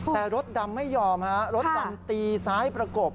แต่รถดำไม่ยอมรถสัมตีย์ซ้ายประโกบ